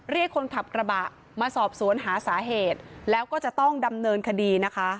เรียกคนขับกระบะมาสอบสวนหาสาเหตุแล้วก็จะต้องดำเนินคดีนะคะ